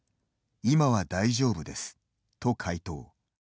今は大丈夫ですと回答。